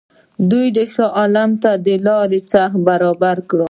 دوی شاه عالم ته د لارې خرڅ برابر کړي.